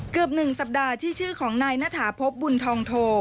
เกือบหนึ่งสัปดาห์ที่ชื่อของนณฑาภพบุญทองโท